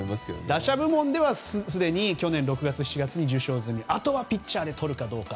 打者部門では、すでに去年６月、７月に受賞済みで、あとはピッチャーでとるかどうか。